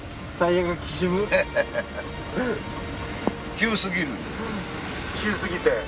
急すぎて。